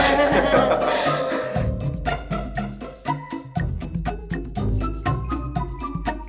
terima kasih pak